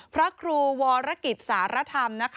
พระครูวรกิจสารธรรมนะคะ